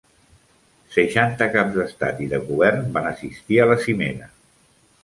Seixanta Caps d'Estat i de Govern van assistir a la cimera.